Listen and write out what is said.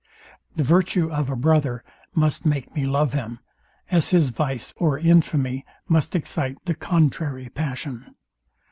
The virtue of a brother must make me love him; as his vice or infamy must excite the contrary passion.